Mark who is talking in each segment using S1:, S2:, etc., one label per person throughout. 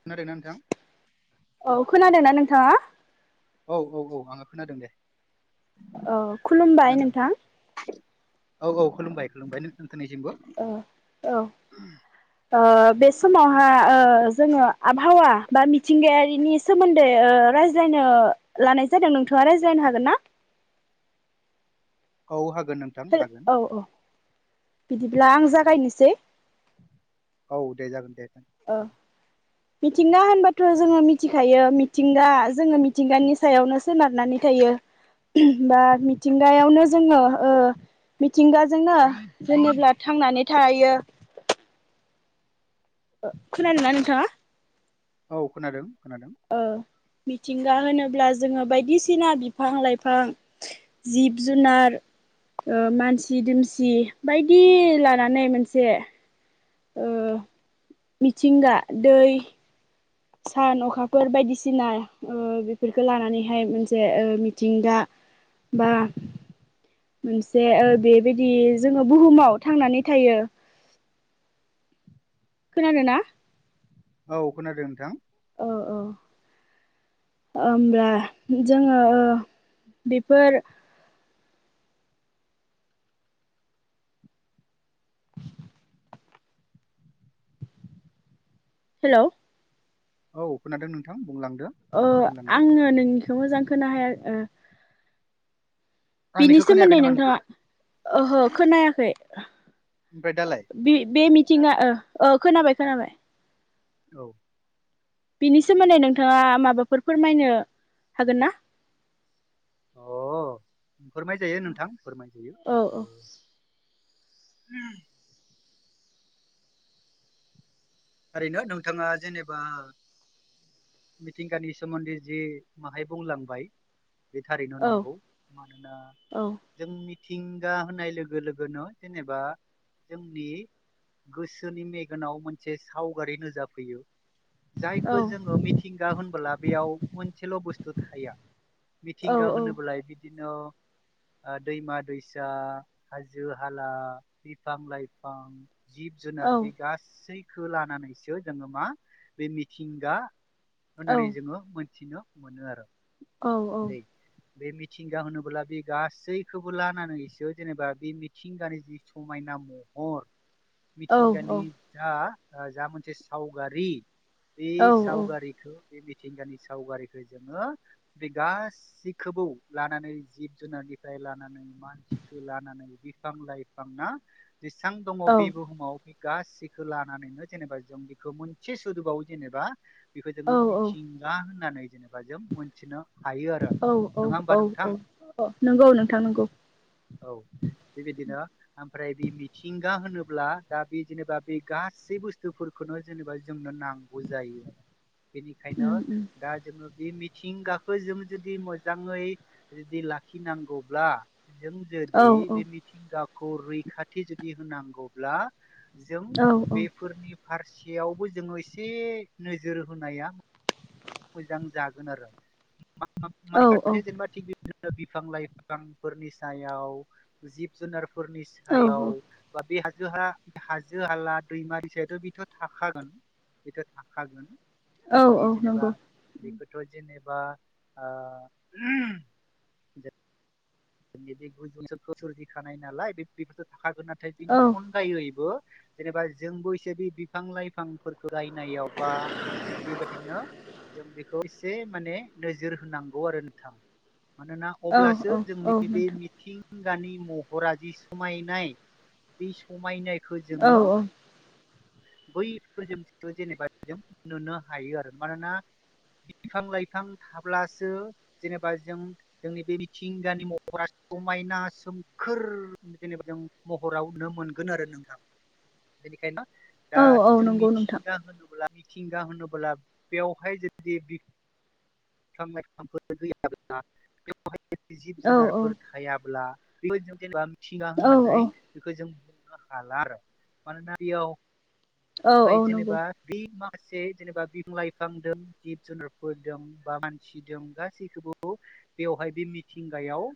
S1: खोनादों ना नोंथां?
S2: औ खोनादोंना नोंथाङा?
S1: औ औ औ आं खोनादों दे।
S2: अ खुलुमबाय
S1: खोनादों
S2: नोंथां।
S1: औ औ खुलुमबाय खुुमबाय लोगो नोंथां‌मोनिसिमबो।
S2: औ औ बे समावहा जोङो आबहावा बा मिथिंगायारिनि सोमोन्दै रायज्लायनो लानाय जादों नोंथाङा रायज्लाइनो हागोन ना?
S1: औ हागोन नोंथां हागोन।
S2: औ औ बिदिब्ला आं
S1: हागोन
S2: जागायनोसै
S1: औ दे जागोन दे।
S2: ओ मिथिंगा होनबाथ' जोङो मिथिखायो मिथिंगा जोङो मिथिंगानि सायावनो सोनारनानै थायो। बा मिथिंगायावनो जोङो मिथिंगाजोंनो जेनेब्ला थांनानै थायो। खोनादोंना नोंथाङा?
S1: औ खोनादों खोनादों।
S2: मिथिंगा होनोब्ला जोङो बायदिसिना बिफां -लाइफां जिब -जुनार मानसि दुमसि बायदि लानानै मोनसे मिथिंगा दै सान अखाफोर बायदिसिना बेफोरखौ लानानैहाय मोनसे मिथिंगा बा मोनसे बेबायदि जोङो बुहुमाव थांनानै थायो। [inaudible] खोनादोंना?
S1: औ खोनादों नोंथां।
S2: औ-औ। ओमब्ला जोङो बेफोर हेल'
S1: औ खोनादों नोंथां बुंला
S2: ओ आङो नोंनिखौ मोजां खोनायाखै। बिनि
S1: आंनिखौ खोनायाखै
S2: सोमोन्दै
S1: नामा
S2: नोंथाङा ओहो खोनायाखै।
S1: ओमफ्राय दालाय
S2: बे बे मिथिंगा ओ खोनाबाय खोनाबाय।
S1: औ
S2: बिनि सोमोन्दै नोंथाङा माबाफोर फोरमायनो हागोन ना?
S1: अ फोरमाय जायो नोंथां फोरमाय जायो
S2: औ
S1: औ [unintelligible] ओरैनो नोंथाङा जेनेबा मिथिंगानि सोमोन्दै जि माहाय बुंलांबाय बे थारैनो
S2: औ
S1: नंगौ मानोना जोंनि मिथिंगा होनाय लोगो लोगोनो जेनेबा जोंनि गोसोनि मेगनाव मोनसे सावगारि नोजाफैयो।
S2: औ
S1: जायखौ जोङो मिथिंगा होनबोला बेयाव मोनसेल' बुस्थु थाया।
S2: औ
S1: मिथिंगा होनोबोलाय बिदिनो दैमा-दैसा हाजो-हाला बिफां लाइफां जिब
S2: औ
S1: जुनार बे गासैखो लानानैसो जोङो मा बे मिथिंगा
S2: औ
S1: होननानै जोङो मोनथिनो मोनो आरो।
S2: औ औ
S1: दै बे मिथिंगा होनोबोला बे गासैखौबो लानानैसो जेनेबा बे मिथिंगानि जि समायना [inaudible] महर
S2: औ औ
S1: मिथिंगानि जा ओ जा मोनसे सावगारि बे सावगारिखौ बे मिथिंगानि सावगारिखौ जोङो बे गाससिखौबो लानानै जिब जुनारनिफ्राय लानानै मानसिखौ लानानै फां लाइफां ना जेसेबां दङ
S2: औ
S1: बे बुहुमाव गासैखौ लानानैनो जेनेबा जों बेखौ मोनसे सोदोबाव जेनेबा बेखौ जोङो मिथिंगा होननानै जेनेबा जों मोनथिनो हायो आरो
S2: औ औ
S1: नङा
S2: औ
S1: होमबा नोंथां?
S2: औ अ नंगौ नोंथां नंगौ।
S1: औ बेबायदिनो ओमफ्राय बे मिथिंगा होनोब्ला दा बे जेनेबा बे गासै बुस्थुफोरखौनो जेनेबा जोंनो नांगौ जायो बेनिखायनो
S2: उम उम
S1: दा जोङो बे मिथिंगा खो जों जुदि मोजाङै जुदि लाखिनांगौब्ला जों
S2: औ
S1: जुदि
S2: औ
S1: बे मिथिंगाखौ रैखाथि जुदि होनांगौब्ला जों बेफोरनि फारसेयावबो जोङो एसे नोजोर होनाया मोजां जागोन आरो
S2: औ
S1: [unintelligible] जेनेबा थिग बि दिनो बिफां लाइफांफोरनि सायाव जिब जुनार फोरनि
S2: औ
S1: सायाव बा बे जोंहा हाजो हाला दैमा दैसा इथ' बिथ' थाखागोन बिथ' थाखागोन।
S2: औ
S1: बे
S2: औ
S1: जेनेबा
S2: नंगौ।
S1: बेखौथ' जेनेबा ओ जोंनि बे [unintelligible] सोरजिखानाय नालाय बे [unintelligible] थाखागोन नाथाय बेनि
S2: औ
S1: अनगायैबो जेनेबा जोंबो एसे बि-बिफां लाइफांफोर गायनायाव बा थिग बेबायदिनो जों बेखौ इ से माने नोजोर होनांगौ आरो नोंथां मानोना
S2: औ
S1: अब्लासो
S2: औ औ
S1: जोंनि बे
S2: नोंथां
S1: मिथिंगानि महरा जि समायनाय बे समायनाय खो
S2: औ
S1: जोङो
S2: औ
S1: बैफोर जों बिखो जेनेबा जों नुनो हायो आरो मानोना बिफां लाइफां थाब्लासो जेनेबा जों जोंनि बे मिथिंगानि म हरा समायना सोमखोर जेनेबा जों महराव नुनो मोनगोन आरो नोंथां। बेनिखायनो दा
S2: औ औ
S1: जों
S2: नंगौ नोंथां
S1: मिथिंगा होनोब्ला मि थिंगा होनोब्ला बेवहाय जुदि बि फां लाइफांफोर गैयाब्ला बेहाय जिब
S2: औ औ
S1: जुनारफोर थायाब्ला बेखौ जों जेनेबा मिथिंगा
S2: औ औ
S1: होननानै बेखौ जों बुंनो हाला आरो मानोना बेयाव
S2: औ
S1: हाय
S2: नंगौ
S1: जेनेबा बै गा सै जेनेबा बिफां लाइफां दं जिब जुनारफोर दं बा मानसि दं गासैखौबो बेवहाय बे मिथिंगायाव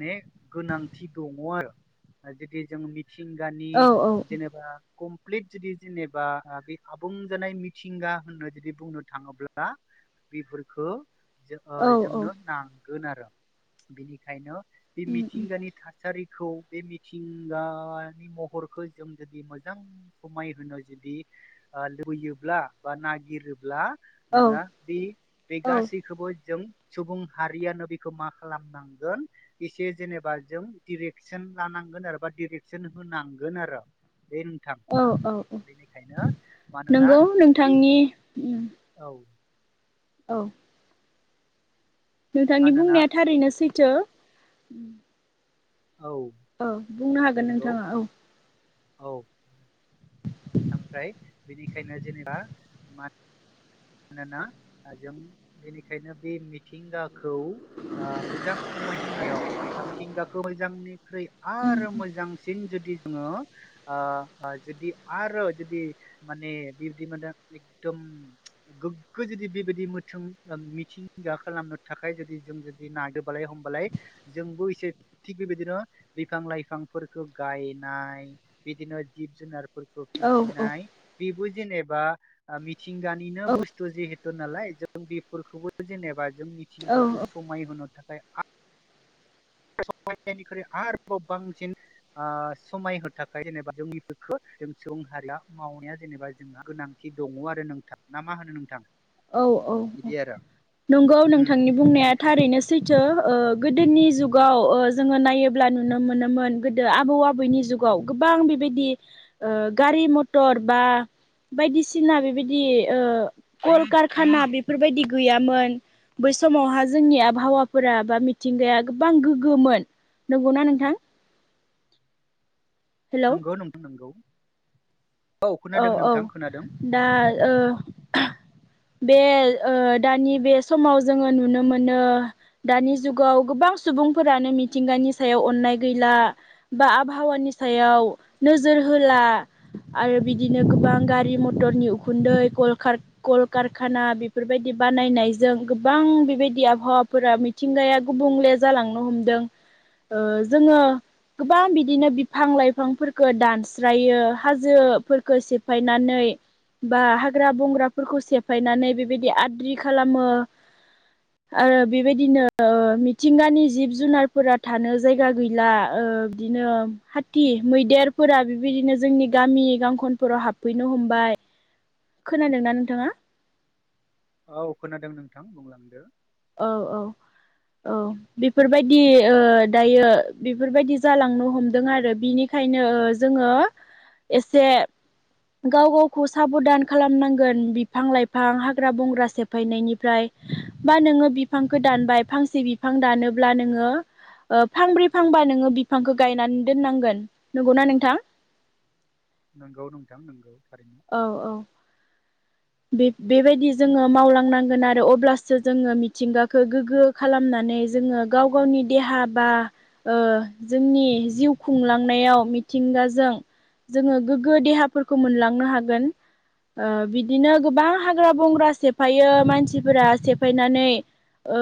S1: ने गोनांथि दङ आरो। ओ जुदि जों मिथिंगानि
S2: औ औ
S1: जेनेबा कमप्लिट जुदि जेनेबा ओ बे आबुं जानाय मिथिंगा होननो जुदि बुंनो थाङोब्ला बेफोरखो जो ओ
S2: औ औ
S1: जोंनो नांगोन आरो बिनिखायनो बे
S2: उम उम
S1: मिथिंगानि थासारि खौ बे मिथिंगा नि महरखौ जों जुदि मोजां समाय होनो जुदि ओ लुबैयोब्ला बा नागिरोब्ला
S2: औ
S1: जोङा बे बे
S2: औ
S1: गासैखोबो जों सुबुं हारियानो बेखौ मा खालामनांगोन एसे जेनेबा जों डिरेक्सन लानां गोन आरोबा डिरेकसन होनांगोन आरो। बे नोंथां
S2: औ औ।
S1: बेनिखायनो मानोना
S2: नंगौ
S1: बे
S2: नोंथांनि उम
S1: औ
S2: औ नोंथांनि
S1: मानोना
S2: बुंनाया थारैनो सैथो।
S1: औ
S2: औ बुंनो हागोन
S1: नंगौ
S2: नोंथाङा औ।
S1: औ ‌। ओमफ्राय बेनिखायनो जेनेबा मा नोना जों बेनिखायनो बे मिथिंगाखौ ओ मोजां स माय होनायाव बा मिथिंगाखौ मोजांनिख्रुइ
S2: उम
S1: आरो मोजांसिन जुदि जोङो ओ जुदि आरो जुदि माने बिबदि मोन्दों एकदम गोग्गो जुदि बेबायदि मोथों ओ मिथिंगा खालामनो थाखाय जुदि जों जुदि नादोबालाय हमबालाय जोंबो इसे थिग बिबेदिनो बिफां लाइफांफोरखौ गायनाय बेदिनो जिब जुनार फोरखो
S2: औ औ
S1: फिसिनाय बेबो जेनेबा ओ मिथिंगानिनो
S2: औ
S1: बुस्थु जिहे थ' नालाय जों बेफोरखौबो जेनेबा जों
S2: औ
S1: मिथिंगाखौ समायहोनो थाखाय आ [unintelligible] आरोबाव बांसिन आ समायहो थाखाय जेनेबा जोंनिखो जों सुबुं हारिया मावनाया जेनेबा जोंहा गोनां खि दङ' आरो नोंथां ना मा होनो नोंथां?
S2: औ औ औ
S1: बिदि आरो
S2: नंगौ
S1: उम
S2: नोंथांनि बुंनाया
S1: बिनिखायनो
S2: थारैनो सैथो ओ गोदोनि जुगाव ओ जोङो नायोब्ला नुनो मोनोमोन गोदो आबौ आबैनि जुगाव गोबां गोबां बेबायदि ओ गारि मथर बा बायदिसिना बेबायदि ओ कलकारखाना बेफोरबायदि गैयामोन बै समावहा जोंनि आबहावाफोरा बा मिथिंगाया गोबां गोग्गोमोन। नंगौना नोंथां? हेलौ
S1: नंगौ नोंथां नंगौ
S2: औ
S1: खोनादों
S2: औ
S1: नोंथां खोनादों
S2: दा ओ बे ओ दानि बे समाव जोङो नुनो मोनो दानि जुगाव गोबां सुबुं सुबुं फोरानो मिथिंगानि सायाव अननाय गैला बा आबहावानि सायाव नोजोर हो होला आरो बिदिनो गोबां गारि मटरनि उखुन्दै कलखार- कलकारखाना बेफोरबायदि बानायनाय जों गोबां बेबायदि आबहावाफोरा मिथिंगाया गुबुंले जालांनो हमदों। ओ‌ जोङो गोबां बिदिनो बिफां लाइफांफोरखौ दानस्रायो हाजो फोरखो‌ सेफायनानै बा हाग्रा बंग्राफोरखौ सेफायनानै बेबायदि आद्रि खालामो आरो बेबायदिनो मिथिंगानि जिब जुनारफोरा थानो जायगा गैला ओ ओ बिदिनो हाथि मैदेरफोरा बिबादिनो जोंनि गामि गंखो खनफोराव हाबफैनो हमबाय खोनादोंना नोंथाङा?
S1: औ खोनादों नोंथां बुंलांदो।
S2: औ औ औ बेफोरबायदि ओ दायो बेफोरबायदि जालांनो हमदों आरो बिनि खायनो ओ जोङो एसे गाव गावखौ साबधान खालामनांगोन बिफां लाइफां हाग्रा बंग्रा सेफायनायनिफ्राय बा नोङो बिफांखौ दानबाय फांसे बिफां दानोब्ला नोङो ओ फांब्रै फांबा नोङो बिफांखो गायनानै दोननांगोन नंगौना नोंथां?
S1: नोंगौ नोंथां नंगौ थारैनो।
S2: औ औ बेब-बेबायदि जोङो मावलांनांगोन आरो अब्लासो जोङो मिथिंगाखौ गोगो खालामना माने जोङो गाव गावनि देहा बा ओ जोंनि जिउ खुंलांनायाव मिथिंगाजों जोङो गोगगो देहाफोरखौ मोनलांनो हागोन ओ बिद दिनो गोबां हाग्रा
S1: औ
S2: बंग्रा सेफायो मानसिफोरा सेफायनानै ओ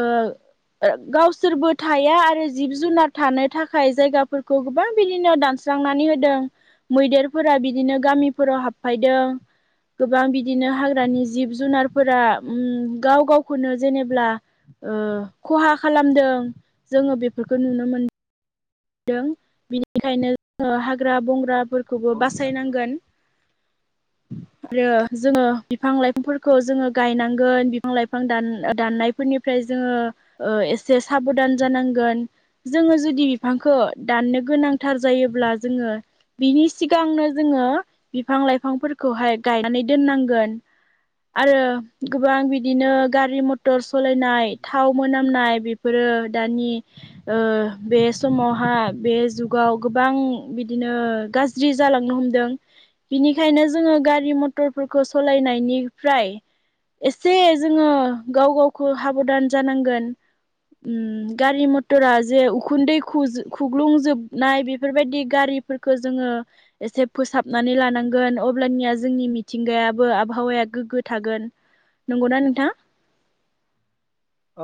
S2: ओ गावसोरबो थाया आरो जिब जुनार थानो थाखाय जायगाफोरखौ गोबां बिदिनो दानस स्रांनानै होदों मैदेरफोरा बिदिनो गामिफोराव हाबफायदों गोबां बिद बिदिनो हाग्रानि जिब जुनारफोरा उम गाव गावखौनो जेनेब्ला ओ खहा खालामदों जोङो बेफोरखौ नुनो मोन मोनदों बिनिखायनो जोङो हाग्रा बं ग्रा फोरखोबो
S1: नंगौ नोंथां नंगौ
S2: बासायनांगोन आरो जोङो बिफां लाइफांफोरखौ जोङो गायनांगोन बिफां लाइफां‌ दान-दाननायफोरनिफ्राय जों जोङो एसे साबदान जानांगोन जोङो जुदि बिफांखो दाननो गोनांथार जायोब्ला जोङो बिनि सिगांनो जोङो बिफां फां-लाइफांफोरखौहाय गायनानै दोननांगोन आरो गोबां बिदिनो गारि मथ टर
S1: औ
S2: सलायनाय थाव मोनामनाय बेफोरो दानि ओ बेस्ट समावहा बे जुगाव गोबां बिदिनो गाज्रि जालांनो हमदों बिनिखायनो जोङो गारि मटरफोरखौ सलायनायनिफ्राय एसे जोङो गाव गावखौ हाबदान जानांगोन उम गारि मथराजे उखुन्दै खुज खुग्लुंजोबनाय बेफोरबायदि गारिफोरखौ जोङो एसे फोसाबनानै लानां गोन अब्लानिया जोंनि मिथिंगायाबो आबहावाया गोग्गो थागोन नंगौना नोंथां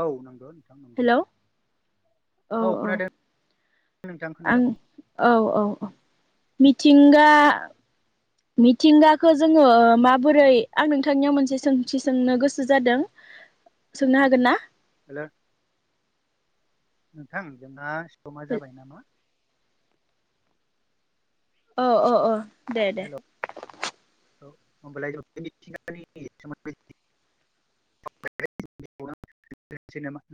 S1: औ नोगो नोंथां नंगौ
S2: हेलौ
S1: औ खोनादों नोंथां
S2: आं
S1: खोनादों
S2: औ औ औ मिथिंगा मिथिंगाखौ जोङो ओ माबोरै आं नोंथांनियाव मोनसे सोंथि सोंनो गोसो जादों सोंनो हागोन ना
S1: हेलौ नोंथां जोंना समा
S2: हेल'
S1: जाबाय नामा
S2: ओ ओ ओ दे दे दे
S1: औ होनबालाय [unintelligible] [unintelligible] दोनसै नामा